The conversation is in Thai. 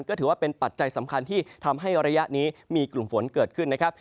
ก็ถือว่าเป็นปัจจัยสำคัญที่ทำให้ระยะนี้มีกลุ่มฝนเกิดขึ้นนะครับ